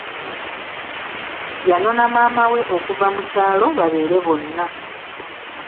Yanona maama we okuva mu kyalo babeere bonna.